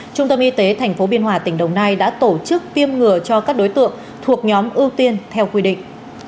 trung tâm y tế tp biên hòa tỉnh đồng nai đã tổ chức tiêm ngừa cho các đối tượng thuộc nhóm ưu tiên theo quy định